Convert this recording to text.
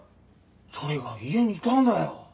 それが家にいたんだよ。